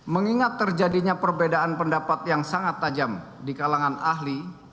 mengingat terjadinya perbedaan pendapat yang sangat tajam di kalangan ahli